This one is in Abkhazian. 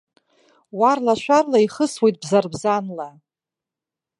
Уарлашәарла ихысуеит бзарбзанла.